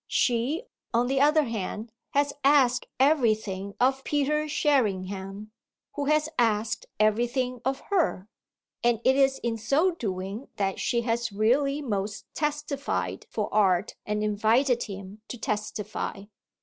She, on the other hand, has asked everything of Peter Sherringham, who has asked everything of her; and it is in so doing that she has really most testified for art and invited him to testify.